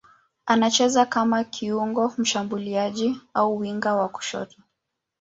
Anacheza kama kiungo mshambuliaji au winga wa kushoto.